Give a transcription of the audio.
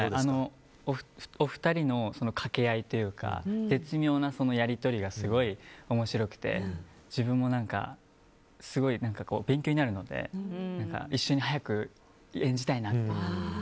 お二人の掛け合いというか絶妙なやり取りがすごい面白くて自分もすごい勉強になるので一緒に早く演じたいなと思います。